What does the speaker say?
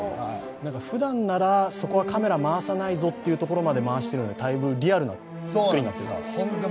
ふだんならそこはカメラ回さないぞというところまで回しているので、だいぶリアルなつくりになっているかなと。